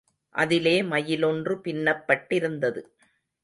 அதிலே, மயிலொன்று பின்னப்பட்டிருந்தது.